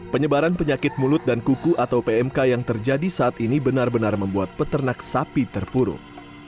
penyebaran penyakit mulut dan kuku atau pmk yang terjadi saat ini benar benar membuat peternak sapi terpuruk